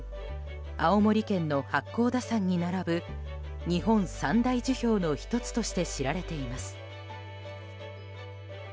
青森県の八甲田山に並ぶ日本三大樹氷の１つとして知られています。